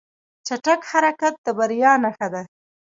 چټک حرکت د بریا نښه ده.